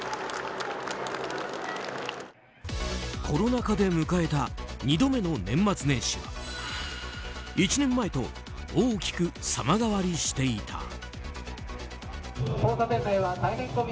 コロナ禍で迎えた２度目の年末年始は１年前と大きく様変わりしていた。